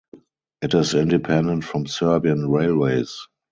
It is independent from Serbian Railways.